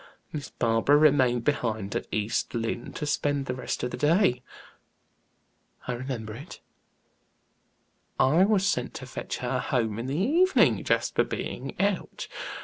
Miss Barbara remained behind at East Lynne to spend the rest of the day." "I remember it." "I was sent to fetch her home in the evening, Jasper being out.